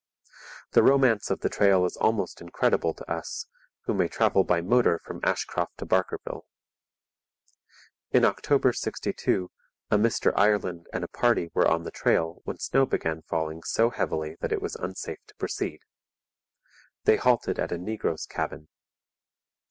The romance of the trail is almost incredible to us, who may travel by motor from Ashcroft to Barkerville. In October '62 a Mr Ireland and a party were on the trail when snow began falling so heavily that it was unsafe to proceed. They halted at a negro's cabin.